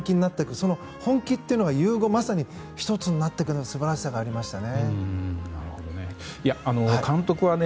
その本気というのが融合、まさに１つになっていく素晴らしさがありましたね。